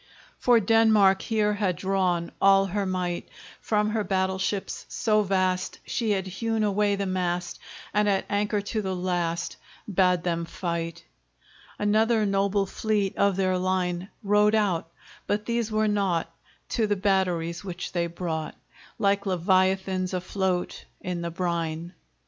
For Denmark here had drawn All her might! From her battle ships so vast She had hewn away the mast, And at anchor to the last Bade them fight! Another noble fleet Of their line Rode out, but these were naught To the batteries, which they brought, Like Leviathans afloat, In the brine.